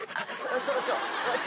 そうそう。